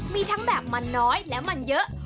มีทั้งแบบมันน้อยและมันเยอะ